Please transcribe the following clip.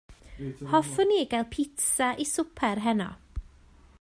Hoffwn i gael pizza i swper heno.